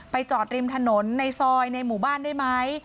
จอดริมถนนในซอยในหมู่บ้านได้ไหม